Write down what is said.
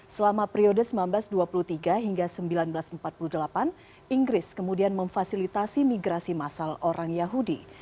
selama periode seribu sembilan ratus dua puluh tiga hingga seribu sembilan ratus empat puluh delapan inggris kemudian memfasilitasi migrasi masal orang yahudi